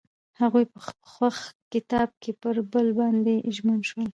هغوی په خوښ کتاب کې پر بل باندې ژمن شول.